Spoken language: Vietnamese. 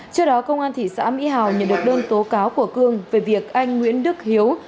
trước đó công an thị xã mỹ hào nhận được đơn tố cáo của cương về việc anh nguyễn đức hiếu